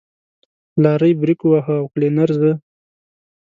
لارۍ برېک وواهه او کلينر زه.